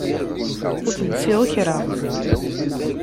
Ur telsiḍ kra.